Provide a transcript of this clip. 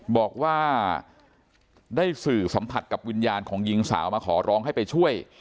บอกว่าได้สื่อสัมผัสกับวิญญาณของหญิงสาวมาขอร้องให้ไปช่วย